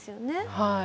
はい。